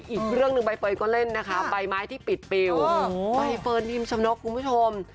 อีกเรื่องหนึ่งใบเฟิร์นก็เล่นนะคะใบไม้ที่ปิดปิวใบเฟิร์นพิมชนกคุณผู้ชม